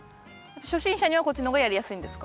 初心者にはこっちの方がやりやすいんですか？